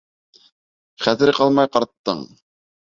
Хәтере ҡалмай ҡарттың.